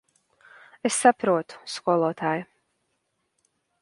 Es saprotu, skolotāj.